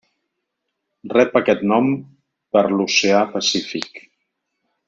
Rep aquest nom per l'oceà Pacífic.